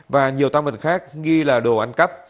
và nhiều tam vật khác nghi là đồ ăn cắp